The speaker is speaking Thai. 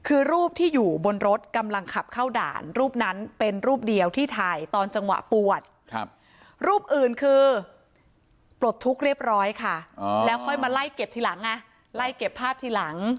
เรียบร้อยค่ะแล้วค่อยมาไล่เก็บทีหลังอ่ะไล่เก็บภาพทีหลัง